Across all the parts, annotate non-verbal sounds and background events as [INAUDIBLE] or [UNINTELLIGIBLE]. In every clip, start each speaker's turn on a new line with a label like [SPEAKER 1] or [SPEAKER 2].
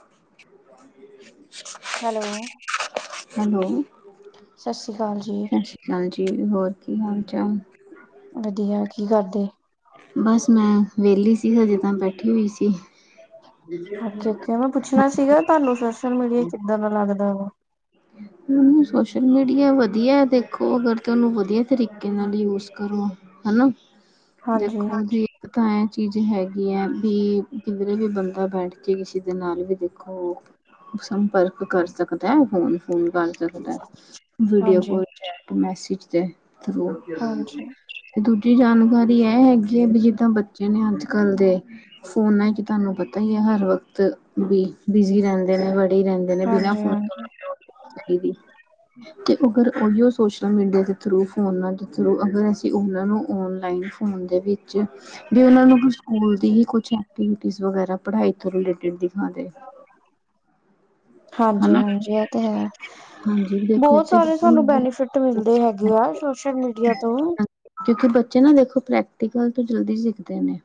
[SPEAKER 1] [INAUDIBLE]
[SPEAKER 2] Hello
[SPEAKER 1] hello
[SPEAKER 2] ਸਤਿ ਸ਼੍ਰੀ ਅਕਾਲ ਜੀ
[SPEAKER 1] ਹਾਂਜੀ, ਹੋਰ ਕੀ ਹਾਲ- ਚਾਲ?
[SPEAKER 2] ਵੱਧੀਆ ਕੀ ਕਰਦੇ?
[SPEAKER 1] ਬਸ ਮੈਂ ਵੇਲੀ ਸੀ ਹਜੇ ਤਾਂ ਬੈਠੀ ਹੋਈ ਸੀ।
[SPEAKER 2] ਅੱਛਾ, ਅੱਛਾ ਮੈਂ ਪੁੱਛਣਾ ਸੀਗਾ ਤੁਆਨੂੰ ਸੋਸ਼ਲ-ਮੀਡੀਆ ਕਿੱਦਾਂ ਦਾ ਲੱਗਦਾ ਵਾ? [INAUDIBLE]
[SPEAKER 1] ਸੋਸ਼ਲ-ਮੀਡੀਆ ਵਧੀਆ ਦੇਖੋ ਅਗਰ ਤੇ ਓਨੂੰ ਵਧੀਆ ਤਰੀਕੇ ਨਾਲ ਯੂਜ ਕਰੋ। ਹਨਾ,
[SPEAKER 2] ਹਾਂਜੀ
[SPEAKER 1] ਦੇਖੋ ਜੀ। ਤਾਂ ਐ ਚੀਜ਼ ਹੈਗੀ ਆ ਵੀ ਕਿਧਰੇ ਵੀ ਬੰਦਾ ਬੈਠ ਕੇ ਕਿਸੇ ਦੇ ਨਾਲ ਵੀ ਦੇਖੋ ਸੰਪਰਕ ਕਰ ਸਕਦਾ ਹੈ ਫੋਨ ਫੋਨ ਕਰ ਸਕਦਾ ਏ,
[SPEAKER 2] ਹਾਂਜੀ
[SPEAKER 1] ਵੀਡੀਓਕਾਲ ਮੈਸੇਜ ਦੇ ਥਰੂ
[SPEAKER 2] ਹਾਂਜੀ
[SPEAKER 1] ਦੂਜੀ ਜਾਣਕਾਰੀ ਐ ਹੈਗੀ ਏ ਵੀ ਜਿੱਦਾਂ ਬੱਚੇ ਨੇ ਅੱਜ-ਕੱਲ੍ਹ ਦੇ ਫੋਨਾਂ ਚ ਤੁਆਨੂੰ ਪਤਾ ਹੀ ਏ ਹਰ ਵਕਤ ਵੀ ਬਿਜ਼ੀ ਰੈਂਦੇ ਨੇ ਬ ਬੀਜੀ ਰੇਂਦੇ ਨੇ, ਬਿਨਾ
[SPEAKER 2] ਹਾਂਜੀ
[SPEAKER 1] ਫੋਨ
[SPEAKER 2] ਹਾਂਜੀ
[SPEAKER 1] ਤੋ ਤੇ ਅਗਰ ਉਹੀਓ ਸੋਸ਼ਲ-ਮੀਡੀਆ ਦੇ ਥਰੂ ਫੋਨਾਂ ਦੇ ਥਰੂ ਅਗਰ ਅਸੀਂ ਉਨਾਂ ਨੂੰ ਔਨਲਾਈਨ ਫੋਨ ਦੇ ਵਿੱਚ ਵੀ ਉਨਾਂ ਨੂੰ ਕੋਈ ਸਕੂਲ ਦੀ ਹੀ ਕੁਛ ਏਕਟੀਵਿਟੀਸ ਵਗੈਰਾ ਪੜਾਈ ਤੋਂ ਰਿਲੇਟਵ ਦਿਖਾਦੇਨ।
[SPEAKER 2] ਹਾਂਜੀ,
[SPEAKER 1] ਹਨਾ
[SPEAKER 2] ਹਾਂਜੀ ਓ ਤੇ ਹੈ।
[SPEAKER 1] ਹਾਂਜੀ ਦੇਖੋ ਇੱਕ
[SPEAKER 2] ਬੋਤ
[SPEAKER 1] ਤੇ
[SPEAKER 2] ਸਾਰੇ ਸਾਨੂੰ ਬੈਨੀਫਿੱਟ ਮਿਲਦੇ ਹੈਗੇ ਆ ਸੋਸ਼ਲ- ਮੀਡੀਆ ਤੋਂ।
[SPEAKER 1] ਕਿਉਂਕਿ ਬੱਚੇ ਨਾ ਦੇਖੋ ਪ੍ਰੈਕਟੀਕਲ ਤੋਂ ਜਲਦੀ ਸਿੱਖਦੇ ਨੇ।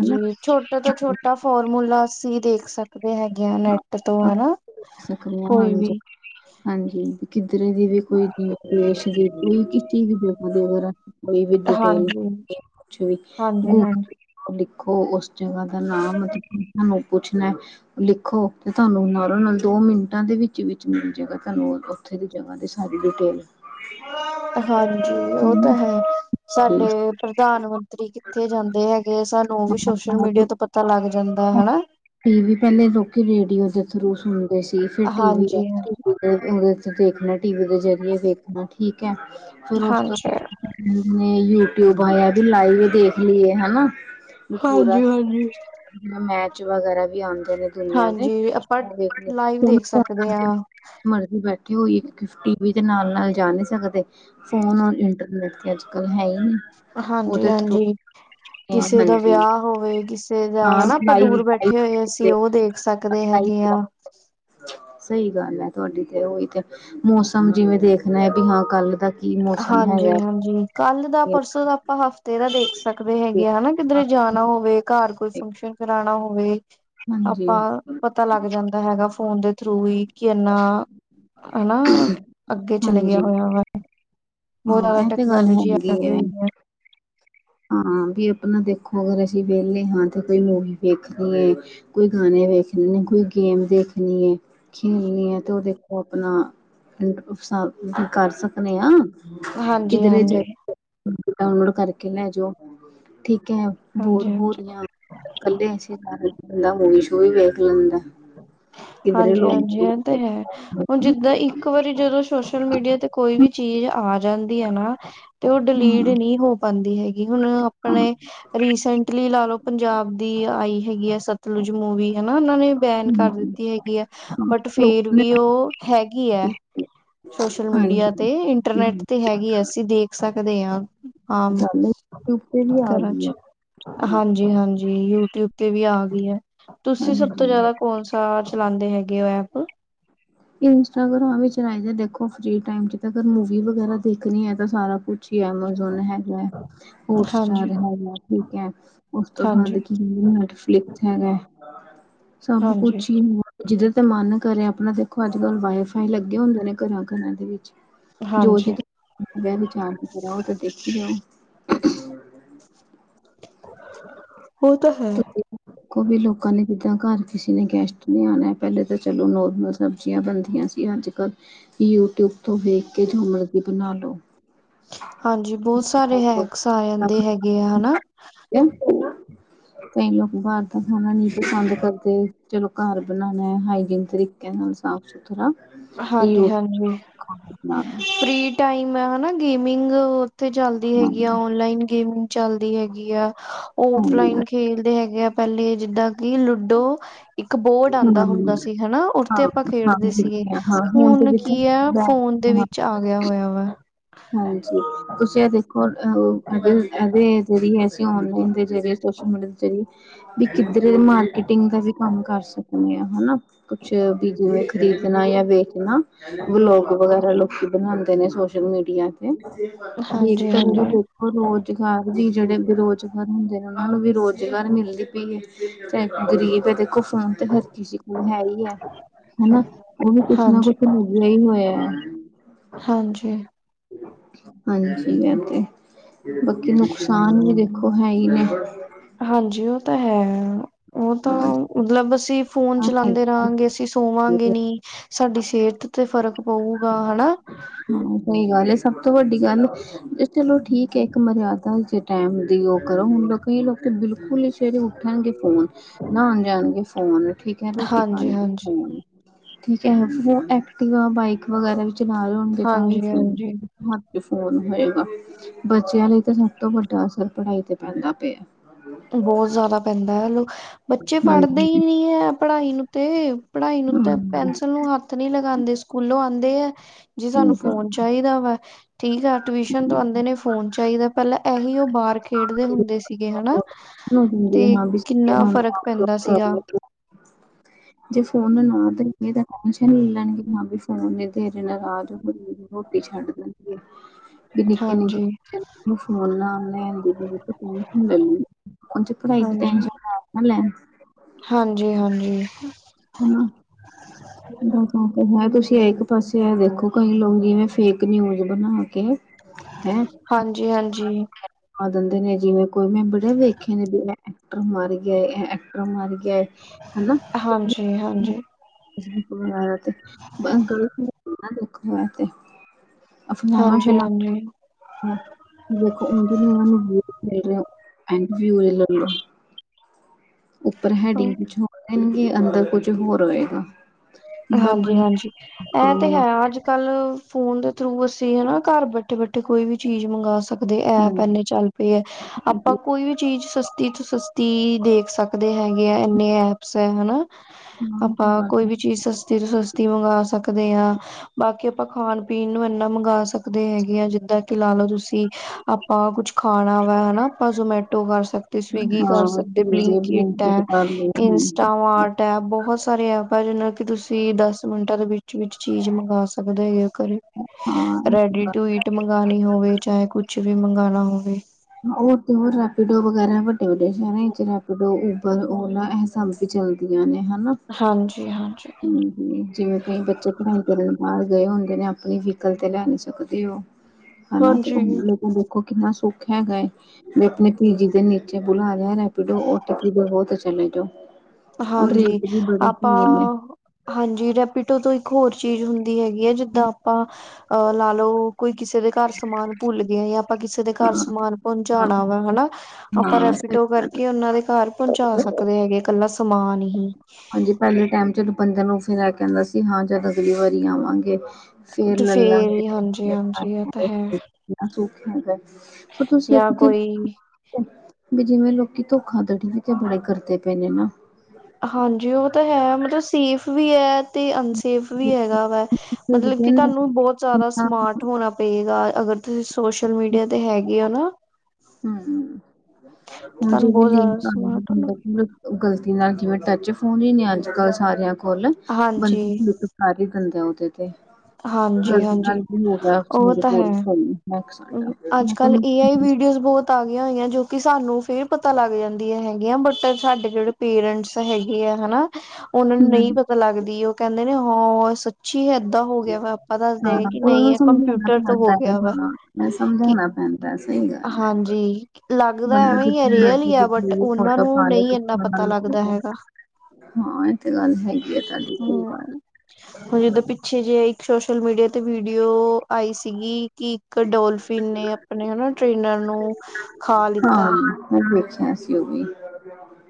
[SPEAKER 1] ਹਨਾ
[SPEAKER 2] ਛੋਟੇ ਤੋਂ ਛੋਟਾ ਫੋਰਮੂਲਾ ਅਸੀਂ ਦੇਖ ਸਕ ਦੇ ਹੈਗੇ ਆ ਨੈਟ ਤੋਂ
[SPEAKER 1] ਕਾਫੀ
[SPEAKER 2] ਹਨਾ
[SPEAKER 1] ਸਕਨੇ ਹਾਂ
[SPEAKER 2] ਕੋਈ
[SPEAKER 1] ਹਾਂਜੀ
[SPEAKER 2] ਵੀ।
[SPEAKER 1] ਹਾਂਜੀ ਕਿੱਧਰੇ ਦੀ ਵੀ ਕੋਈ ਦੇਸ਼, ਵਿਅਕਤੀ, ਕਿਸੀ ਚੀਜ ਵਗੈਰਾ ਕੋਈ ਵੀ ਡਿਟੇਲ
[SPEAKER 2] ਹਾਂਜੀ
[SPEAKER 1] ਵਗੈਰਾ ਕੁੱਛ ਵੀ,
[SPEAKER 2] ਹਾਂਜੀ
[SPEAKER 1] ਗੋਲ
[SPEAKER 2] ਹਾਂਜੀ
[SPEAKER 1] ਲਿਖੋ ਉਸ ਜਗ੍ਹਾ ਦਾ ਨਾਮ ਤੇ ਹੋਰ ਕੁੱਛਣਾ ਲਿ ਖੋ ਤੇ ਤੁਆਨੂੰ ਨਾਲੋਂ-ਨਾਲ ਦੋ ਮਿੰਟਾਂ ਦੇ ਵਿੱਚ-ਵਿੱਚ ਮਿਲ ਜੇਗਾ ਤੁਆਨੁੰ ਉੱਥੇ ਦੀ ਜਗ੍ਹਾ ਤੇ ਸਾਰੀ ਡਿਟੇਲ।
[SPEAKER 2] ਹਾਂਜੀ, ਓ ਤਾਂ
[SPEAKER 1] ਹੂੰ,
[SPEAKER 2] ਹੈ
[SPEAKER 1] ਜੀ।
[SPEAKER 2] ਸਾਡੇ ਪ੍ਰਧਾਨ ਮੰਤਰੀ ਕਿੱਥੇ ਜਾਂਦੇ ਹੈਗੇ ਸਾਨੂੰ ਓ ਵੀ ਸੋਸ਼ਲ- ਮੀਡੀਆ ਤੋਂ ਪਤਾ ਲੱਗ ਜਾਂਦਾ ਹਨਾ।
[SPEAKER 1] ਟੀਵੀ ਪੇਲੇ ਲੋਕੀ ਰੇਡੀਓ ਦੇ ਥਰੂ ਸੁਣਦੇ ਸੀ ਫਿਰ ਟੀਵੀ
[SPEAKER 2] ਹਾਂਜੀ ਹਾਂਜੀ।
[SPEAKER 1] ਉਹਦੇ ਚ ਦੇਖਣਾ ਟੀਵੀ ਦੇ ਜਰੀਏ ਦੇਖਣਾ ਠੀਕ ਏ ਫੇਰ ਉਸ ਤੋਂ ਯੂਟਿਊਬ ਆਏਆ ਵੀ ਲਾਈਵ ਦੇਖ ਲੀਏ ਹਨਾ ਵੀ ਪੂਰਾ,
[SPEAKER 2] ਹਾਂਜੀ ਹਾਂਜੀ।
[SPEAKER 1] ਮੈਚ ਵਗੈਰਾ ਵੀ ਆਂਦੇ ਨੇ।
[SPEAKER 2] ਹਾਂਜੀ ਆਪਾਂ ਲਾਈਵ ਦੇਖ ਸਕਦੇ ਹਾਂ
[SPEAKER 1] [UNINTELLIGIBLE] ਮਰਜ਼ੀ ਬੈਠੀ ਹੋਈ ਇੱਕ ਕਿਉਂਕਿ ਟੀਵੀ ਦੇ ਨਾਲ-ਨਾਲ ਜਾ ਨੀ ਸਕਦੇ? ਫੋਨ ਔਰ ਇੰਟਰਨੈਟ ਤੇ ਅੱਜ-ਕਲ੍ਹ ਹੈ ਈ ਨੀ
[SPEAKER 2] ਹਾਂਜੀ
[SPEAKER 1] ਉਹਦੇ ਥਰੂ
[SPEAKER 2] ਹਾਂਜੀ। ਕਿਸੇ ਦਾ
[SPEAKER 1] ਹਾਂਜੀ।
[SPEAKER 2] ਵਿਆਹ ਹੋਵੇ ਕਿਸੇ ਦਾ
[SPEAKER 1] ਹਾਂ
[SPEAKER 2] ਹਨਾ ਆਪਾਂ
[SPEAKER 1] ਲਾਈਵ
[SPEAKER 2] ਦੂਰ ਬੈਠੇ ਹੋਏ, ਅਸੀਂ ਉਹ
[SPEAKER 1] ਲਾਈਵ
[SPEAKER 2] ਸਕਦੇ ਹੈਗੇ ਹਾਂ। [INAUDIBLE]
[SPEAKER 1] ਸਹੀ ਗੱਲ ਏ ਤੁਆਡੀ ਤੇ ਉਹੀ ਤੇ ਮੌਸਮ ਜਿਵੇਂ ਦੇਖਣਾ ਹੈ ਵੀ ਹਾਂ ਕੱਲ ਦਾ ਕੀ ਮੌਸਮ
[SPEAKER 2] ਹਾਂਜੀ
[SPEAKER 1] ਹੈਗਾ।
[SPEAKER 2] ਹਾਂਜੀ ਕੱਲ ਦਾ ਪਰਸੋਂ ਦਾ ਆਪਾਂ ਹਫਤੇ ਦਾ ਦੇਖ ਸਕਦੇ ਹੈਗੇ ਆ ਹਨਾ, ਕਿਧਰੇ ਜਾਣਾ ਹੋਵੇ ਘਰ ਕੋਈ ਫੰਕਸ਼ਨ ਕਰਾਣਾ ਹੋਵੇ।
[SPEAKER 1] ਹਾਂਜੀ
[SPEAKER 2] ਆਪਾਂ ਪਤਾ ਲੱਗ ਜਾਂਦਾ ਹੈਗਾ ਫੋਨ ਦੇ ਥਰੂ ਈ। ਕਿ ਇੰਨਾ ਹਨਾ, ਅੱਗੇ ਚਲੇ ਗਿਆ
[SPEAKER 1] ਹਾਂਜੀ
[SPEAKER 2] ਹੋਇਆ ਵਆ ਬਹੁਤ
[SPEAKER 1] ਹਾਂ
[SPEAKER 2] ਜ਼ਿਆਦਾ
[SPEAKER 1] ਇਹ ਤੇ ਗੱਲ
[SPEAKER 2] ਟੈਕਨੋਲੋਜੀ ਆ
[SPEAKER 1] ਹੈਗੀ
[SPEAKER 2] ਗਈ ਹੋਈ ਹੈ।
[SPEAKER 1] ਹਾਂ, ਵੀ ਆਪਣਾ ਦੇਖੋ ਅਗਰ ਅਸੀਂ ਵਿਹਲੇ ਹਾਂ, ਤੇ ਕੋਈ ਮੂਵੀ ਵੇਖਣੀ ਹੈ। ਕੋਈ ਗਾਣੇ ਵੇਖਣੇ ਨੇ, ਕੋਈ ਗੇਮ ਦੇਖਣੀ ਹੈ। ਖੇਲਣੀ ਹੈ ਤੇ ਉਹ ਦੇਖੋ ਆਪਣਾ [UNINTELLIGIBLE] ਕਰ ਸਕਦੇ ਹਾਂ,
[SPEAKER 2] ਹਾਂਜੀ
[SPEAKER 1] ਕਿਧਰੇ
[SPEAKER 2] ਹਾਂਜੀ
[SPEAKER 1] ਜਾਈਐ [UNINTELLIGIBLE] ਡਾਊਨਲੋਡ ਕਰਕੇ ਕਿ ਲੈਜੋ ਠੀਕ ਹੈ,
[SPEAKER 2] ਹਾਂਜੀ
[SPEAKER 1] ਬੋਰ ਹੋ
[SPEAKER 2] ਹਾਂਜੀ
[SPEAKER 1] ਰਹੀਆਂ [UNINTELLIGIBLE] ਇਕੱਲੇ ਅਸੀਂ ਤਾਂ ਕਰਕੇ ਬੰਦਾ ਮੂਵੀ ਸੋਵੀ ਵੇਖ ਲੈਂਦਾ ਐ।
[SPEAKER 2] ਹਾਂਜੀ-ਹਾਂਜੀ, ਇਹ ਤੇ ਹੈ, ਹੁਣ ਜਿੱਦਾਂ ਇੱਕ ਵਾਰੀ ਜਦੋਂ ਸੋਸ਼ਲ ਮੀਡੀਆ ਤੇ ਕੋਈ ਵੀ ਚੀਜ਼ ਆ ਜਾਂਦੀ ਹੈ ਨਾ ਤੇ ਉਹ ਡਿਲੀਟ
[SPEAKER 1] ਹਾਂ
[SPEAKER 2] ਨਹੀਂ ਹੋ ਪਾਉਂਦੀ ਹੈਗੀ। ਹੁਣ
[SPEAKER 1] ਹਾਂ
[SPEAKER 2] ਆਪਣੇ ਰੀਸੈਂਟਲੀ ਲਾ ਲਓ ਪੰਜਾਬ ਦੀ ਆਈ ਹੈਗੀ ਹੈ ਸਤਲੁਜ ਮੂਵੀ ਹਨਾ ਉਹਨਾਂ ਨੇ ਬੈਨ ਕਰ ਦਿੱਤੀ ਹੈਗੀ ਹੈ, ਬਟ
[SPEAKER 1] ਲੋਕ
[SPEAKER 2] ਫੇਰ
[SPEAKER 1] ਨੇ
[SPEAKER 2] ਵੀ ਉਹ ਹੈਗੀ ਹੈ।
[SPEAKER 1] ਕੀਤੀ।
[SPEAKER 2] ਸੋਸ਼ਲ ਮੀਡੀਆ
[SPEAKER 1] ਹਾਂਜੀ
[SPEAKER 2] ਤੇ, ਇੰਟਰਨੈਟ
[SPEAKER 1] ਹਮ,
[SPEAKER 2] ਤੇ ਹੈਗੀ ਆ ਅਸੀਂ ਦੇਖ ਸਕਦੇ ਹਾਂ। ਆਮ
[SPEAKER 1] ਯੂਟੀਊਬ ਤੇ ਵੀ ਆ
[SPEAKER 2] ਘਰਾਂ
[SPEAKER 1] ਗਈ
[SPEAKER 2] ਚ
[SPEAKER 1] ਹੈ। ਹਾਂ,
[SPEAKER 2] ਹਾਂਜੀ-ਹਾਂਜੀ ਯੂਟਿਊਬ ਤੇ ਵੀ ਆ ਗਈ ਹੈ। ਤੁਸੀਂ ਸਭ ਤੋਂ
[SPEAKER 1] ਹਾਂਜੀ
[SPEAKER 2] ਜ਼ਿਆਦਾ ਕੌਣ ਸਾ ਚਲਾਉਂਦੇ ਹੈਗੇ ਹੋ ਐਪ।
[SPEAKER 1] ਇੰਸਟਾਗ੍ਰਾਮ ਵਿੱਚ ਆਏ ਨੇ ਦੇਖੋ ਫਰੀ ਟਮ 'ਚ ਮੂਵੀ ਵਗੈਰਾ ਦੇਖਣੀ ਹੈ ਤਾਂ ਸਾਰਾ ਕੁਛ ਐਮਾਜ਼ੋਨ ਹੈਗਾ,
[SPEAKER 2] ਹਾਂਜੀ।
[SPEAKER 1] ਹੋਟਸਟਾਰ ਹੈਗਾ, ਠੀਕ ਹੈ ਉਸ ਤੋਂ ਬਾਅਦ
[SPEAKER 2] ਹਾਂਜੀ,
[SPEAKER 1] ਨੈਟਫਲਿਕਸ ਹੈਗਾ, ਸਭ
[SPEAKER 2] ਹਾਂਜੀ,
[SPEAKER 1] ਕੁਛ ਹੀ ਹੈ। ਜਿਹਦੇ ਤੇ ਮਨ ਕਰੇ ਆਪਣਾ ਦੇਖੋ ਅੱਜ-ਕੱਲ ਵਾਈਫਾਈ ਲੱਗੇ ਹੁੰਦੇ ਨੇ ਘਰਾਂ-ਘਰਾਂ ਦੇ ਵਿੱਚ। ਜੋ [UNINTELLIGIBLE]
[SPEAKER 2] ਹਾਂਜੀ
[SPEAKER 1] ਰੀਚਾਰਜ ਕਰਾਓ ਤੇ ਦੇਖੀ ਜਾਓ।
[SPEAKER 2] [INAUDIBLE] ਹੈ।
[SPEAKER 1] [UNINTELLIGIBLE] ਵੀ ਲੋਕਾਂ ਨੇ ਜਿੱਦਾਂ ਘਰ ਕਿਸੇ ਨੇ ਗੈਸਟ ਨ ਆਉਣਾ ਐ, ਪਹਿਲੇ ਤਾਂ ਚਲੋ ਨੋਰਮਲ ਸਬਜ਼ੀਆਂ ਬਣਦੀਆਂ ਸੀ ਅੱਜ-ਕੱਲ ਯੂਟਿਊਬ ਤੋਂ ਵੇਖ ਕੇ ਜੋ ਮਰਜੀ ਬਣਾ ਲਉ।
[SPEAKER 2] ਹਾਂਜੀ, ਬਹੁਤ ਸਾਰੇ ਹੈਕਸ ਆ ਜਾਂਦੇ ਹੈਗੇ ਆ ਹਨਾ।
[SPEAKER 1] ਕਈ ਲੋਕ ਬਾਹਰ ਦਾ ਖਾਣਾ ਨਹੀਂ ਪਸੰਦ ਕਰਦੇ। ਚਲੋ ਘਰ ਬਣਾਣਾ ਹੈ ਹਾਈਜੀਨ ਤਰੀਕੇ ਨਾਲ ਸਾਫ਼ -ਸੁਥਰਾ। ਤੇ ਯੂ
[SPEAKER 2] ਹਾਂਜੀ।
[SPEAKER 1] ਖਾਣਾ ਬਣਾਣਾ।
[SPEAKER 2] ਫਰੀ ਟਾਈਮ ਹਨਾ ਗੇਮਿੰਗ ਉੱਥੇ ਚੱਲਦੀ ਹੈਗੀ ਆ ਓਨਲਾਈਨ ਗੇਮਿੰਗ। ਚੱਲਦੀ ਹੈਗੀ ਆ
[SPEAKER 1] ਹਾਂ,
[SPEAKER 2] ਓਫਲਾਈਨ ਖੇਲਦੇ ਹੈਗੇ ਆ ਪਹਿਲੇ ਜਿੱਦਾਂ ਕਿ ਲੂਡੋ ਇੱਕ ਬੋਰਡ ਆਉਂਦਾ
[SPEAKER 1] ਹਾਂ,
[SPEAKER 2] ਹੁੰਦਾ ਸੀ ਹਨਾ, ਉਠ
[SPEAKER 1] ਹਾਂ,
[SPEAKER 2] ਤੇ ਆਪਾਂ
[SPEAKER 1] ਹਾਂ
[SPEAKER 2] ਖੇਡਦੇ ਸੀਗੇ।
[SPEAKER 1] ਵਿਕਦੀਆਂ ਹਾਂ ਤੇ
[SPEAKER 2] ਹੁਣ
[SPEAKER 1] ਜਿੱਥੇ
[SPEAKER 2] ਕੀ ਹੈ ਫੋਨ
[SPEAKER 1] ਬੈਠ
[SPEAKER 2] ਦੇ
[SPEAKER 1] ਹਾਂ
[SPEAKER 2] ਵਿੱਚ ਆਗ ਗਿਆ ਹੋਇਆ ਵਾ।
[SPEAKER 1] ਹਾਂਜੀ, ਤੁਸੀਂ ਇਹ ਦੇਖੋ ਅਹ ਅ ਇਹਦੇ ਜਿਹੜੀ ਹੈ ਸੀ ਔਨਲਾਈਨ ਦੇ ਜਿਹੜੇ ਸੋਸ਼ਲ ਮੀਡੀ- ਤੇ ਵੀ ਕਿੱਧਰੇ ਮਾਰਕੀਟਿੰਗ ਦਾ ਵੀ ਕੰਮ ਕਰ ਸਕਦੇ ਆ ਹਨਾ। ਕੁਝ ਬੀ ਜਿਵੇਂ ਖਰੀਦਣਾ ਜਾਂ ਵੇਚਣਾ। ਵਲੋਗ ਵਗੈਰਾ ਲੋਕੀ ਬਣਾਉਂਦੇ ਨੇ ਸੋਸ਼ਲ ਮੀਡੀਆ [UNINTELLIGIBLE] ਉਹ
[SPEAKER 2] ਹਾਂਜੀ ਹਾਂਜੀ
[SPEAKER 1] ਰੁਜ਼ਗਾਰ ਜੀ, ਜਿਹੜੇ ਬੇਰੁਜ਼ਗਾਰ ਹੁੰਦੇ ਨੇ ਉਹਨਾਂ ਨੂੰ ਵੀ ਰੁਜ਼ਗਾਰ ਮਿਲਦੀ ਪਈ ਹੈ। ਤੇ ਗ਼ਰੀਬ ਹੈ ਦੇਖੋ ਫੋਨ ਤੇ ਹਰ ਕਿਸੇ ਕੋਲ ਹੈ ਹੀ ਹੈ, ਹਨਾ ਉਹਨੂੰ ਕੁਛ ਨਾ
[SPEAKER 2] ਹਾਂਜੀ
[SPEAKER 1] ਕੁਛ ਮਿਲਿਆ ਹੀ ਹੋਇਆ ਐ।
[SPEAKER 2] ਹਾਂਜੀ।
[SPEAKER 1] ਹਾਂਜੀ, ਏ ਤੇ ਬਾਕੀ ਨੁਕਸਾਨ ਵੀ ਦੇਖੋ ਹੈ ਈ ਨੇ।
[SPEAKER 2] ਹਾਂਜੀ, ਉਹ ਤਾਂ ਹੈ, ਉਹ ਤਾਂ ਮਤਲਬ ਅਸੀਂ ਫੋਨ ਚਲਾਉਂਦੇ।
[SPEAKER 1] ਹਾਂ।
[SPEAKER 2] ਰਾਂਗੇ ਅਸੀਂ ਸੋਵਾਂਗੇ ਨੀ ਸਾਡੀ ਸਿਹਤ ਤੇ ਫ਼ਰਕ ਪਊਗਾ ਹਨਾ।
[SPEAKER 1] ਹਾਂ, ਸਹੀ ਗੱਲ ਹੈ ਸਭ ਤੋਂ ਵੱਡੀ ਗੱਲ ਚਲੋ ਠੀਕ ਹੈ, ਇੱਕ ਮਰਿਆਦਾ ਜੇ ਟੈਮ ਦੀ ਉਹ ਕਰੋ ਹੁਣ ਲੋਕੀ ਕਈ ਲੋਕ ਤਾਂ ਬਿਲਕੁਲ ਈ ਸਵੇਰੇ ਉੱਠਣਗੇ ਫੋਨ ਮੈਂ ਹੁਣ ਜਾਣਗੇ ਸੋਣਗੇ ਠੀਕ ਐ ਰੋਟੀ ਖਾਣ
[SPEAKER 2] ਹਾਂਜੀ
[SPEAKER 1] ਲਈ।
[SPEAKER 2] ਹਾਂਜੀ
[SPEAKER 1] ਠੀਕ ਐ, ਵੋ ਐਕਟੀਵਾ ਬਾਈਕ ਵਗੈਰਾ ਵੀ ਚਲਾ ਰਹੇ ਹੋਣਗੇ ਤਾਂ ਵੀ
[SPEAKER 2] ਹਾਂਜੀ
[SPEAKER 1] ਫੋਨ
[SPEAKER 2] ਹਾਂਜੀ
[SPEAKER 1] ਹਾਂਜੀ ਫੋਨ ਹੋਏਗਾ, ਬੱਚਿਆਂ ਲਈ ਤਾਂ ਸਭ ਤੋਂ ਵੱਡਾ ਅਸਰ ਪੜਾਈ ਤੇ ਪੈਂਦਾ ਪਿਆ।
[SPEAKER 2] ਬੋਹ ਜ਼ਿਆਦਾ ਪੈਂਦਾ ਐ ਲੋ ਬੱਚੇ ਪੜਦੇ ਈ
[SPEAKER 1] ਹਾਂਜੀ
[SPEAKER 2] ਨੀ ਐ ਪੜਾਈ ਨੂੰ ਤੇ ਪੜਾਈ ਨੂੰ ਤਾਂ
[SPEAKER 1] ਹਾਂ
[SPEAKER 2] ਪੈਨਸਿਲ ਨੂੰ ਹੱਥ ਨੀ ਲਗਾਂਦੇ ਸਕੂਲੋਂ ਆਂਦੇ ਐ। ਜੀ ਸਾਨੂੰ
[SPEAKER 1] ਠੀਕ ਆ
[SPEAKER 2] ਫੋਨ ਚਾਹੀਦਾ ਵਾ। ਠੀਕ ਆ ਟਿਊਸ਼ਨ ਤੋ ਆਂਦੇ ਨੇ ਫੋਨ ਚਾਹੀਦਾ ਪਹਿਲਾਂ ਇਹੀ ਉਹ ਬਾਹਰ ਖੇਡਦੇ ਹੁੰਦੇ ਸੀਗੇ ਹਨਾ।
[SPEAKER 1] ਹਮ
[SPEAKER 2] ਤੇ ਕਿੰਨਾ ਫ਼ਰਕ ਪੈਂਦਾ ਸੀਗਾ
[SPEAKER 1] [UNINTELLIGIBLE] ਜੇ ਫੋਨ ਨਾ ਦਈਏ ਤਾਂ ਟੈਨਸ਼ਨ ਲੈ ਲੈਣਗੇ ਹਾਂ ਵੀ ਫੋਨ ਦੇ ਦੇ। [UNINTELLIGIBLE] ਰੋਟੀ ਛੱਡ ਦੇਣਗੇ। ਵੀ ਨਿੱਕੇ- ਨਿੱਕੇ
[SPEAKER 2] ਹਾਂਜੀ
[SPEAKER 1] ਬੱਚਿਆ ਨੂੰ ਫੋਨ [UNINTELLIGIBLE] ਲੇ ਲਈ। ਉਂਝ ਪੜਾਈ ਦੀ
[SPEAKER 2] ਹਾਂਜੀ
[SPEAKER 1] ਟੇਨਸ਼ਨ ਨਾ ਲੇਣ [UNINTELLIGIBLE]
[SPEAKER 2] ਹਾਂਜੀ- ਹਾਂਜੀ।
[SPEAKER 1] ਹੂੰ।
[SPEAKER 2] [INAUDIBLE]
[SPEAKER 1] [UNINTELLIGIBLE] ਤੁਸੀਂ ਇੱਕ ਹੁਣ ਸੇ਼ਕ ਦਸੇਆ ਹੋਆ, ਕਈ ਲੋਕ ਜਿਵੇਂ ਫੇਕ ਨਿਊਜ ਬਣਾ ਕੇ ਹੈ
[SPEAKER 2] ਹਾਂਜੀ- ਹਾਂਜੀ।
[SPEAKER 1] ਆ ਜਾਂਦੇ ਨੇ ਜਿਵੇਂ ਕੋਈ ਮੈਂ ਬੜੇ ਵੇਖੇ ਨੇ ਵੀ ਇਹ ਐਕਟਰ ਮਰ ਗਿਆ ਏ ਇਹ ਐਕਟਰ ਮਰ ਗਿਆ ਏ ਹਨਾ
[SPEAKER 2] ਹਾਂਜੀ ਹਾਂਜੀ
[SPEAKER 1] ਗਲਤ [UNINTELLIGIBLE] ਨਾ ਦੇਖਣ ਵਾਸਤੇ ਅਫਵਾਵਾ ਫੈਲਾ
[SPEAKER 2] ਹਾਂਜੀ
[SPEAKER 1] ਦੇਖੋ [UNINTELLIGIBLE] ਉੱਪਰ
[SPEAKER 2] ਹਾਂਜੀ
[SPEAKER 1] ਹੈਡਿੰਗ ਕੁਛ ਹੋਰ ਰਹਿੰਦੀ ਏ ਅੰਦਰ ਕੁਛ ਹੋਰ ਹੋਏਗਾ। ਮੈਂ
[SPEAKER 2] ਹਾਂਜੀ-
[SPEAKER 1] ਬੜੀ
[SPEAKER 2] ਹਾਂਜੀ ਇਹ ਤੇ ਹੈ
[SPEAKER 1] ਹਾਂ
[SPEAKER 2] ਅੱਜ ਕੱਲ ਫੋਨ ਦੇ ਥਰੂ ਅਸੀਂ ਹਨਾ ਘਰ ਬੈਠੇ- ਬੈਠੇ ਕੋਈ ਵੀ ਚੀਜ਼ ਮੰਗਾ ਸਕ ਕਦੀ ਐਪ ਇਨੇ ਚੱਲ ਪਏ ਐ, ਆਪਾਂ ਕੋਈ ਵੀ ਚੀਜ਼ ਸਸਤੀ ਤੋਂ ਸਸਤੀ ਦੇਖ ਸਕਦੇ ਹੈਗੇ ਇੰਨੇ ਐਪਸ ਐ ਹਨਾ। ਆਪਾਂ ਕੋਈ ਵੀ ਚੀਜ਼ ਸਸਤੀ ਤੋਂ ਸਸਤੀ ਮੰਗਾ ਸਕਦੇ ਆ, ਬਾਕੀ ਆਪਾਂ ਖਾਣ- ਪੀਣ ਨੂੰ ਇੰਨਾ ਮੰਗਾ ਸਕ ਦੇ ਹੈਗੇ ਆ ਜਿੱਦਾਂ ਕਿ ਲਾ ਲਓ ਤੁਸੀਂ ਆਪਾਂ ਕੁੱਛ ਖਾਣਾ ਵਾ ਹਨਾ ਆਪਾਂ ਯੋਮੇ ਟੋ ਕਰ ਸਕਦੇ, ਸਵਿਗੀ ਕਰ ਸਕਦੇ,
[SPEAKER 1] ਕਿ ਜੇ
[SPEAKER 2] ਬਲਿੰਕ ਇਟ ਐ,
[SPEAKER 1] ਬਲਿੰਕਿਟ ਕਰ ਲਓ
[SPEAKER 2] ਇੰਸਟਮਾਰਟ। ਟ ਐ ਬਹੁਤ ਸਾਰੇ ਐਪ ਆ ਜਿਨ੍ਹਾਂ ਤੋ ਕਿ ਤੁਸੀਂ ਦਸ ਮਿੰਟਾਂ ਦੇ ਵਿੱਚ-ਵਿੱਚ ਚੀਜ਼ ਮੰਗਾ ਸਕਦੇ ਹੈਗੇ ਓ ਘਰੇ।
[SPEAKER 1] ਹਾਂ
[SPEAKER 2] ਰੈਡੀ ਟੂ ਈਟ ਮੰਗਾਣੀ ਹੋਵੇ, ਚਾਹੇ ਕੁਛ ਵੀ ਮੰਗਾਣਾ ਹੋਵੇ।
[SPEAKER 1] ਹੋਰ ਤੇ ਹੋਰ ਰੈਪੀਡੋ ਵਗੈਰਾ ਵੱਡੇ-ਵੱਡੇ ਸ਼ਹਿਰਾਂ ਇਚ ਰੈਪੀਡੋ ਉਬਰ ਔਲਾ ਇਹ ਸਬ ਚਲਦੀਆਂ ਨੇ ਹੈਨਾ।
[SPEAKER 2] ਹਾਂਜੀ-ਹਾਂਜੀ।
[SPEAKER 1] ਹੂੰ-ਹੂੰ, ਜਿਵੇਂ ਕਈ ਬੱਚੇ ਪੜ੍ਹਾਈ ਕਰਨ ਬਾਹਰ ਗਏ ਹੁੰਦੇ ਨੇ, ਆਪਣੀ ਵਹੀਕਲ ਤੇ ਲਿਆ ਨੀ ਸਕਦੇ ਉ ਹਨਾ ਤੇ ਉ
[SPEAKER 2] ਹਾਂਜੀ
[SPEAKER 1] ਲੋਕਾਂ ਨੂੰ ਦੇਖੋ ਕਿੰਨਾ ਸੋਖਾ ਹੈਗਾ ਏ। ਵੀ ਆਪਣੇ ਪੀ ਜੀ ਦੇ ਨੀਚੇ ਬੁਲਾ ਲਿਆ ਰੈਪੀਡੋ ਔਟੋ ਪੇ ਕਰੋ ਤੇ ਚਲੇ ਜਾਓ। ਔਰ
[SPEAKER 2] ਹਾਂਜੀ,
[SPEAKER 1] ਰੇਟ ਵੀ ਬੜੇ ਹੈਗੇ ਨੇ
[SPEAKER 2] ਆਪਾਂ ਹਾਂਜੀ, ਰੈਪੀਟੋ ਤੋਂ ਇੱਕ ਹੋਰ ਚੀਜ਼ ਹੁੰਦੀ ਹੈਗੀ ਐ ਜਿੱਦਾਂ ਆਪਾਂ ਅ ਲਾ ਲਓ ਕੋਈ ਕਿਸੇ ਦੇ ਘਰ ਸਮਾਨ ਭੁੱਲ ਗਿਆਂ ਜਾਂ ਆਪਾਂ ਕਿਸੇ ਦੇ ਘਰ ਘਰ
[SPEAKER 1] ਹਾਂ-ਹਾਂ,
[SPEAKER 2] ਸਮਾਨ
[SPEAKER 1] ਹਾਂ
[SPEAKER 2] ਪਹੁੰਚਾਣਾ ਵਾ ਹਨਾ, ਆਪਾਂ
[SPEAKER 1] ਹਾਂ ਸਹੀ
[SPEAKER 2] ਰੈਪੀਟੋ
[SPEAKER 1] ਗੱਲ ਏ।
[SPEAKER 2] ਕਰਕੇ ਉਹਨਾਂ ਦੇ ਘਰ ਪਹੁੰਚਾ ਸਕਦੇ ਹੈਗੇ ਇਕੱਲਾ ਸਮਾਨ ਹੀ।
[SPEAKER 1] ਜੀ ਪਹਿਲੇ ਟਾਈਮ ਜਦੋਂ ਬੰਦੇ ਨੂੰ ਫਿਰ ਇਹ ਕਹਿੰਦਾ ਸੀ ਹਾਂ ਜਦ ਅਗਲੀ ਵਾਰੀ ਆਵਾਂਗੇ ਫਿਰ
[SPEAKER 2] ਤੇ
[SPEAKER 1] ਲੈਲਾ
[SPEAKER 2] ਫੇਰ
[SPEAKER 1] ਗੇ
[SPEAKER 2] ਹੀ ਹਾਂਜੀ
[SPEAKER 1] [UNINTELLIGIBLE]
[SPEAKER 2] ਹਾਂਜੀ ਇਹ ਤਾਂ ਹੈ
[SPEAKER 1] ਕਿੰਨਾ ਸੁਖ ਹੈਗਾ ਏ, ਪਰ ਤੁਸੀਂ
[SPEAKER 2] ਜਾਂ
[SPEAKER 1] ਇੱਕ
[SPEAKER 2] ਕੋਈ
[SPEAKER 1] ਵੀ ਜਿਵੇਂ ਲੋਕੀ ਧੋਖਾਧੜੀ ਵੀ ਤੇ ਬੜੇ ਕਰਦੇ ਪਏ ਨੇ ਨਾ।
[SPEAKER 2] ਹਾਂਜੀ, ਉ ਤਾਂ ਹੈ ਮਤਲਬ ਸੇਫ ਵੀ ਹੈ। ਤੇ ਅਨਸੇਫ ਵੀ ਹੈਗਾ ਵਾ ਮਤਲਬ ਕਿ ਤੁਹਾਨੂੰ ਬਹੁਤ ਜ਼ਿਆਦਾ ਸਮਾਰਟ ਹੋਣਾ ਪਏਗਾ ਅਗਰ ਤੁਸੀਂ ਸੋਸ਼ਲ ਮੀਡੀਆ ਤੇ ਹੈਗੇ ਓ ਨਾ
[SPEAKER 1] ਹੂੰ। ਹੁਣ
[SPEAKER 2] ਤੁਹਾਨੂੰ
[SPEAKER 1] ਜਿਵੇਂ
[SPEAKER 2] ਬਹੁਤ ਜ਼ਿਆਦਾ
[SPEAKER 1] ਲਿੰਕ ਆਣੇ ਨੇ
[SPEAKER 2] ਸਮਾਰਟ ਹੋਣਾ
[SPEAKER 1] [UNINTELLIGIBLE] ਗ਼ਲਤੀ ਨਾਲ ਕਿਵੇਂ ਟੱਚ ਫੋਨ ਹੀ ਨੇ ਅੱਜ-ਕੱਲ ਸਾਰਿਆਂ ਕੋਲ ਬੰਦੇ
[SPEAKER 2] ਹਾਂਜੀ
[SPEAKER 1] ਸਾਰੇ ਹੀ ਦਿੰਦੇ ਆ ਉਹਦੇ ਤੇ [UNINTELLIGIBLE]
[SPEAKER 2] ਹਾਂਜੀ
[SPEAKER 1] ਗਲਤੀ
[SPEAKER 2] ਹਾਂਜੀ
[SPEAKER 1] ਨਾਲ ਹੀ ਹੋ ਗਿਆ
[SPEAKER 2] ਉਹ ਤਾਂ ਹੈ
[SPEAKER 1] ਮੈਂ [UNINTELLIGIBLE]
[SPEAKER 2] ਆਗੀਆਂ ਹੋਈਆਂ ਜੋ ਕਿ ਸਾਨੂੰ ਫੇਰ ਪਤਾ ਲੱਗ ਜਾਂਦੀਆਂ ਹੈਗੀਆਂ ਬਟ ਸਾਡੇ ਜਿਹੜੇ ਪੇਰੈਂਟਸ ਹੈਗੇ ਆ ਹਨਾ ਉਹਨਾਂ ਨੂੰ ਨਹੀਂ
[SPEAKER 1] ਹਮ,
[SPEAKER 2] ਪਤਾ ਲੱਗਦੀ ਉਹ ਕਹਿੰਦੇ ਨੇ ਹਾਂ ਸੱਚੀ ਏਦਾਂ ਹੋ ਗਿਆ ਵਾ ਆਪਾਂ ਦੱਸ
[SPEAKER 1] ਹਾਂ
[SPEAKER 2] ਦਿਆਂਗੇ ਕਿ ਨਹੀਂ ਇਹ ਕੰਪਿਊਟਰ ਤੋਂ ਹੋ ਗਿਆ ਵਾ।
[SPEAKER 1] ਮੈ
[SPEAKER 2] ਕਿ
[SPEAKER 1] ਸਮਝਾਉਣਾ ਪੈਂਦਾ ਸੀ
[SPEAKER 2] ਹਾਂਜੀ, ਲੱਗਦਾ ਐਵੇਂ ਹੀ ਹੈ
[SPEAKER 1] ਜਿੱਥੇ
[SPEAKER 2] ਰੀਅਲ
[SPEAKER 1] ਮਰਜ਼ੀ
[SPEAKER 2] ਹੀ ਆ
[SPEAKER 1] ਦੀ
[SPEAKER 2] ਬਟ
[SPEAKER 1] ਕੋਈ
[SPEAKER 2] ਉਹਨਾਂ
[SPEAKER 1] ਫੋਟੋ
[SPEAKER 2] ਨੂੰ
[SPEAKER 1] ਪਾ ਲੇ
[SPEAKER 2] ਨਹੀਂ ਇੰਨਾ
[SPEAKER 1] ਕਿਸੇ
[SPEAKER 2] ਪਤਾ
[SPEAKER 1] ਨਾਲ
[SPEAKER 2] ਲੱਗਦਾ
[SPEAKER 1] ਕੋਲ
[SPEAKER 2] ਹੈ ਤਾਂ [UNINTELLIGIBLE]
[SPEAKER 1] ਹਾਂ ਇਹ ਤੇ ਗੱਲ ਹੈਗੀ ਆ ਤੁਹਾਡੀ ਸਹੀ
[SPEAKER 2] ਹਮ
[SPEAKER 1] ਗੱਲ
[SPEAKER 2] ਹੁਣ ਜਿੱਦਾਂ
[SPEAKER 1] [UNINTELLIGIBLE]
[SPEAKER 2] ਪਿੱਛੇ ਜੇ ਇੱਕ ਸੋਸ਼ਲ ਮੀਡੀਆ ਤੇ ਵੀਡੀਓ ਆਈ ਸੀਗੀ ਕਿ ਇੱਕ ਡੋਲਫਿਨ ਨੇ ਆਪਣੇ ਹਨਾ ਟ੍ਰੇਨਰ ਨੂੰ [UNINTELLIGIBLE]
[SPEAKER 1] ਹਾਂ,
[SPEAKER 2] ਲਿੱਤਾ
[SPEAKER 1] ਉ ਵੇਖਿਆ ਸੀ ਉ ਵੀ।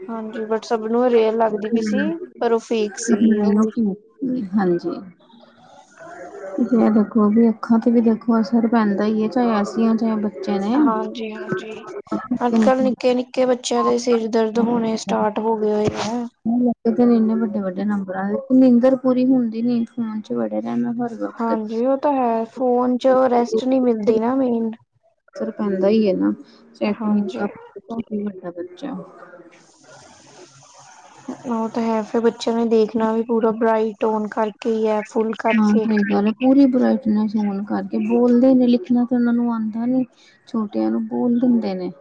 [SPEAKER 2] ਹਾਂਜੀ, ਬਟ ਸਭ ਨੂੰ ਰੇਅਰ ਲੱਗਦੀ ਪਈ ਸੀ
[SPEAKER 1] ਹਮ,
[SPEAKER 2] ਪਰ ਉ ਫੇਕ ਸੀਗੀ
[SPEAKER 1] ਆਪਣਾ
[SPEAKER 2] ਉ
[SPEAKER 1] ਇਹੋ
[SPEAKER 2] ਵੀ
[SPEAKER 1] ਫੋਨ ਹਾਂਜੀ [UNINTELLIGIBLE] ਜਿਵੇਂ ਦੇਖੋਗੇ ਅੱਖਾਂ ਤੇ ਵੀ ਦੇਖੋ ਅਸਰ ਪੈਂਦਾ ਹੀ ਹੈ ਚਾਹੇ ਐਸੀ ਆ ਚਾਹੇ ਬੱਚੇ ਨੇ
[SPEAKER 2] ਹਾਂਜੀ-ਹਾਂਜੀ [UNINTELLIGIBLE] ਅੱਜ-ਕੱਲ੍ਹ
[SPEAKER 1] ਲੱਗੇ
[SPEAKER 2] ਨਿੱਕੇ- ਨਿੱਕੇ ਨਿੱਕੇ ਬੱਚਿਆਂ ਦੇ ਸਿਰ ਦਰਦ ਹੋਣੇ ਸਟਾਰਟ ਹੋ ਗਏ ਹੋ ਗਏ ਨੇ।
[SPEAKER 1] ਨਾਲੇ ਤੇ ਇੰਨੇ ਵੱਡੇ-ਵੱਡੇ ਦਿਨ ਨੇ ਨੀਂਦਰ ਪੂਰੀ ਹੁੰਦੀ ਨੀ। ਫੋਨ ਚ ਵੜੇ ਰਹਿਣਾ ਹਰ ਵਕਤ।
[SPEAKER 2] ਉ ਤੇ ਏ ਫੋਨ 'ਚ ਰੈਸਟ ਨਹੀਂ ਮਿਲਦੀ ਮਿਨਿਮ
[SPEAKER 1] ਸਿਰ ਖਾਂਦਾ ਹੀ ਏਨਾ, ਚਾਹੇ ਕੋਈ ਨਿੱਕਾ
[SPEAKER 2] ਹਾਂਜੀ
[SPEAKER 1] ਬੱਚਾ ਵਡਾ ਬੱਚਾ।
[SPEAKER 2] [UNINTELLIGIBLE] ਉਹ ਤਾਂ ਹੈ, ਫੇਰ ਬੱਚਿਆਂ ਨੇ ਦੇਖਨਾ ਵੀ ਪੂਰਾ ਬਰਾਈਟ ਔਨ ਕਰਕੇ ਕੀ ਐ, ਫੁੱਲ
[SPEAKER 1] ਹਾਂ
[SPEAKER 2] ਕਰਕੇ।
[SPEAKER 1] ਸਹੀ ਗੱਲ ਹੈ ਪੂਰੀ ਬਰਾਈਟਨੈਸ ਔਨ ਕਰਕੇ ਬੋਲਦੇ ਨੇ, ਲਿਖਨਾ ਤੇ ਉਨਾਂ ਨੂੰ ਆਂਦਾ ਨੀ। ਛੋਟਿਆਂ ਨੂੰ ਬੋਲ ਦਿੰਦੇ ਨੇ।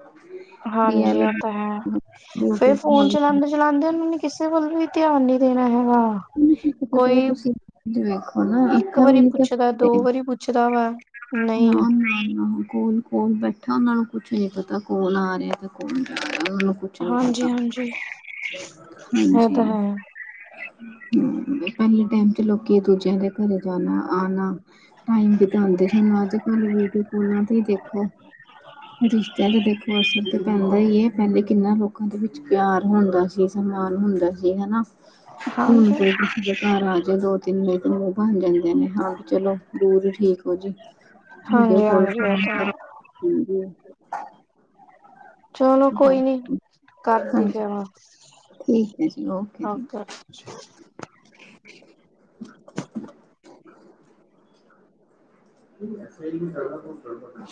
[SPEAKER 1] ਵੀ
[SPEAKER 2] ਹਾਂਜੀ, ਉਹ ਤਾਂ ਹੈ, ਫੇਰ ਫੋਨ
[SPEAKER 1] ਇਹ
[SPEAKER 2] ਚਲਾਂਦੇ ਨ। ਚਲਾਂਦੇ ਨੂੰ ਨਈ ਕਿਸੇ ਵੱਲ ਵੀ ਧਿਆਨ ਨੀ ਦੇਨਾ ਹੈਗਾ।
[SPEAKER 1] ਕਦੇ
[SPEAKER 2] ਕੋਈ,
[SPEAKER 1] ਤੁਸੀਂ ਵੇਖੋ ਨਾ
[SPEAKER 2] ਇੱਕ
[SPEAKER 1] ਅੱਖਾਂ
[SPEAKER 2] ਵਾਰੀ ਪੁਛਦਾ, ਦੋ ਵਾਰੀ ਪੁੱਛਦਾ ਵਾ। ਨਹੀਂ
[SPEAKER 1] ਨਾਮ ਨਈ ਉਨਾਂ ਕੋਲ। ਕੌਨ, ਬੈਠਾ ਉਨਾਂ ਨੂੰ ਕੁਛ ਨੀ ਪਤਾ, ਕੌਨ ਆ ਰੇਆ 'ਤੇ ਕੌਨ ਜਾ ਰੇਆ, ਉਨਾਂ ਕੋਲ। ਕੁਛ ਨਹੀਂ ਪਤਾ,
[SPEAKER 2] ਹਾਂਜੀ-ਹਾਂਜੀ ਇਹ
[SPEAKER 1] ਹਾਂਜੀ।
[SPEAKER 2] ਤਾਂ ਹੈ,
[SPEAKER 1] ਹੂ ਪੈਲੇ ਟਾਈਮ 'ਚ ਲੋਕੀ ਦੂਜਿਆਂ ਦੇ ਘਰੇ ਜਾਨਾ-ਆਨਾ। ਟਾਈਮ ਬਿਤਾਂਦੇ। ਹੁਨ ਅੱਜ-ਕੱਲ ਵੀਡੀਓ ਫੋਨਾਂ 'ਤੇ ਈ ਦੇਖੋ, ਰਿਸ਼ਤਿਆਂ ਤੇ ਦੇਖੋ ਅ 'ਤੇ ਪੈਂਦਾ ਈ ਏ, ਪੈਲੇ ਕਿੰਨਾ ਲੋਕਾਂ ਦੇ ਵਿੱਚ ਪਿਆਰ ਹੁੰਦਾ ਸੀ, ਸਨਮਾਨ ਹੁੰਦਾ ਸੀ, ਹੈ ਨਾ।
[SPEAKER 2] [UNINTELLIGIBLE]
[SPEAKER 1] ਹੁਨ ਕੋਈ, ਕਿਸੇ ਦੇ ਘਰ ਆ ਜੇ ਦੋ-ਤਿੰਨ ਦਿਨ ਤਾਂ ਮੂੰਹ ਬਨ ਜਾਂਦੇ ਨੇ, ਹਾਂ, ਚਲੋ, ਦੂਰ ਈ ਠੀਕ ਓ ਜੀ। ਜਿਦੇ ਕੋਲ,
[SPEAKER 2] ਹਾਂਜੀ-ਹਾਂਜੀ ਇਹ ਤਾਂ
[SPEAKER 1] ਠੀਕ ਏ,
[SPEAKER 2] ਹੈ,
[SPEAKER 1] ਹਾਂਜੀ।
[SPEAKER 2] ਚਲੋ ਕੋਈ ਨੀ, ਕਰਦੀ
[SPEAKER 1] ਹਾਂਜੀ
[SPEAKER 2] ਫਿਰ ਮੈ,
[SPEAKER 1] ਠੀਕ ਹੈ ਜੀ ਜੀ
[SPEAKER 2] ਓਕੇ। [UNINTELLIGIBLE]
[SPEAKER 1] ਸਹੀ ਗੱਲ ਆ। [UNINTELLIGIBLE]